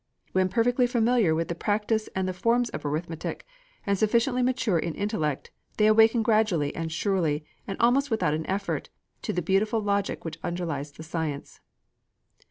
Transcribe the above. When perfectly familiar with the practice and the forms of arithmetic, and sufficiently mature in intellect, they awaken gradually and surely, and almost without an effort, to the beautiful logic which underlies the science.